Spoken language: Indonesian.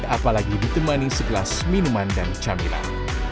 apalagi ditemani segelas minuman dan camilan